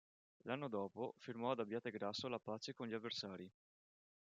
L'anno dopo, firmò ad Abbiategrasso la pace con gli avversari.